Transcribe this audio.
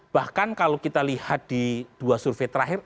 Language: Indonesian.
bahkan kalau kita lihat di dua survei terakhir